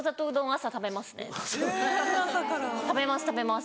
・朝から・食べます食べます。